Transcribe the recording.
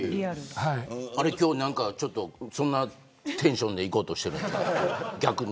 今日そんなテンションで行こうとしてるの逆に。